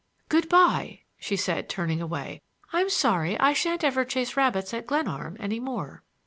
"Good by," she said, turning away. "I'm sorry I shan't ever chase rabbits at Glenarm any more."